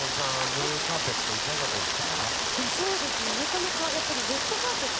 ブルーカーペットいかがでした？